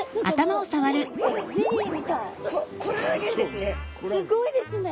すごいですね。